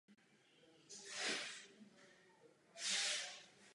Celé území je obklopeno poli.